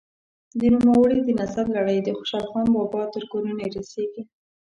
د نوموړي د نسب لړۍ د خوشحال خان بابا تر کورنۍ رسیږي.